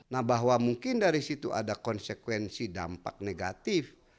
nah bahwa mungkin dari situ ada konsekuensi dampak negatif